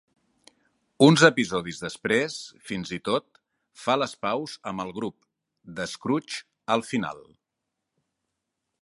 Uns episodis després, fins i tot fa les paus amb el grup de Scrooge al final.